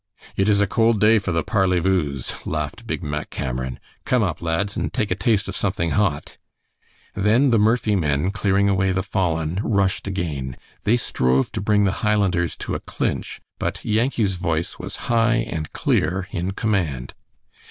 "It is a cold day for the parley voos," laughed Big Mack Cameron. "Come up, lads, and take a taste of something hot." Then the Murphy men, clearing away the fallen, rushed again. They strove to bring the Highlanders to a clinch, but Yankee's voice was high and clear in command.